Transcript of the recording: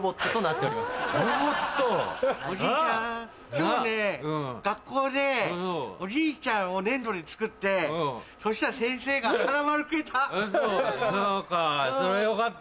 今日ね学校でおじいちゃんを粘土で作ってそしたら先生が花丸くれた！